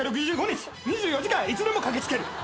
３６５日２４時間いつでも駆けつける。